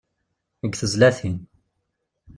Deg tezlatin.